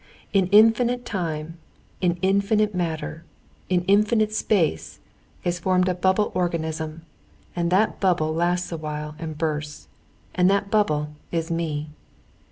"In infinite time, in infinite matter, in infinite space, is formed a bubble organism, and that bubble lasts a while and bursts, and that bubble is Me."